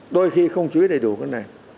đôi khi không chú ý đầy đủ cái này